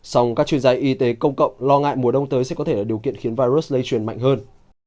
song các chuyên gia y tế công cộng lo ngại mùa đông tới sẽ có thể là điều kiện khiến virus lây truyền mạnh hơn